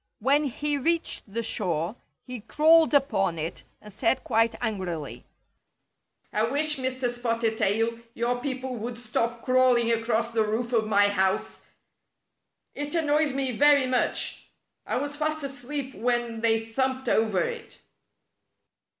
When he reached the shore, he crawled upon it, and said quite angrily :" I wish, Mr. Spotted Tail, your people would stop crawling across the roof of my house. It annoys me very much. I was fast asleep when they thumped over it."